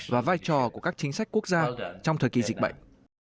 và vai trò của các chính sách quốc gia trong thời kỳ dịch bệnh